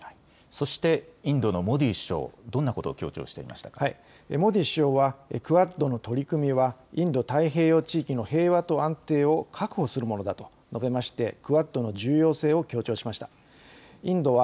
そしてインドのモディ首相、どんな言強調していましたかモディ首相はクアッドの取り組みはインド太平洋地域の平和と安定を確保するものだと述べましてクアッドの重要性を強調しました。